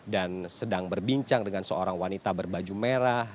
dan sedang berbincang dengan seorang wadah